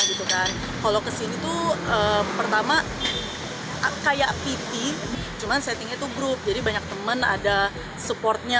gitu kan kalau kesini tuh pertama kayak pipi cuman setting itu grup jadi banyak temen ada supportnya